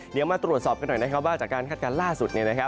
เดี๋ยวมาตรวจสอบกันหน่อยนะครับว่าจากการคาดการณ์ล่าสุด